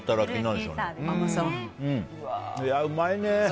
いや、うまいね。